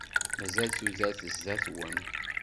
Mazal tudert zdat-wen.